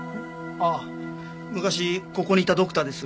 あっ昔ここにいたドクターです。